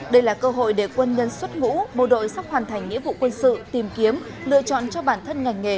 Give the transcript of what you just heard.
đây là cơ hội để quân nhân xuất ngũ bộ đội sắp hoàn thành nghĩa vụ quân sự tìm kiếm lựa chọn cho bản thân ngành nghề